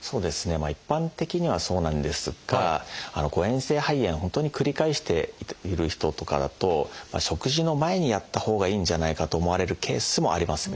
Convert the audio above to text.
まあ一般的にはそうなんですが誤えん性肺炎を本当に繰り返している人とかだと食事の前にやったほうがいいんじゃないかと思われるケースもありますね。